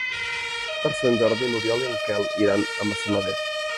Per Sant Jordi n'Oriol i en Quel iran a Massalavés.